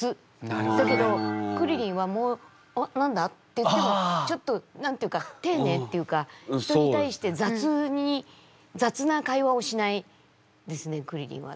だけどクリリンは「おっ何だ？」って言ってもちょっと何て言うかていねいっていうか人に対して雑な会話をしないですねクリリンは多分。